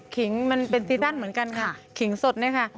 ขิงมันเป็นซีซั่นเหมือนกันค่ะขิงสดเนี่ยค่ะ